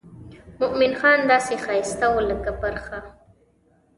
مومن خان داسې ښایسته و لکه پرخه.